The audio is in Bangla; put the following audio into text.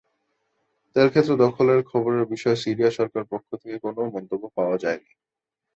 তেলক্ষেত্র দখলের খবরের বিষয়ে সিরিয়া সরকারের পক্ষ থেকে কোনো মন্তব্য পাওয়া যায়নি।